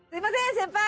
先輩。